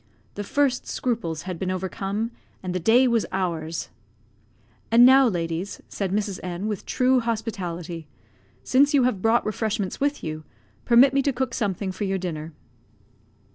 The first scruples had been overcome, and the day was ours. "And now, ladies," said Mrs. N , with true hospitality, "since you have brought refreshments with you, permit me to cook something for your dinner."